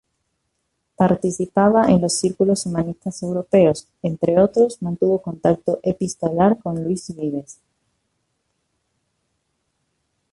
Participaba en los círculos humanistas europeos; entre otros mantuvo contacto epistolar con Luis Vives.